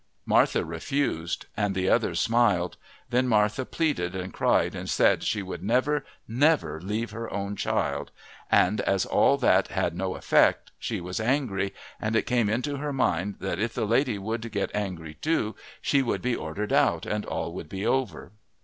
Martha refused, and the other smiled; then Martha pleaded and cried and said she would never never leave her own child, and as all that had no effect she was angry, and it came into her mind that if the lady would get angry too she would be ordered out and all would be over.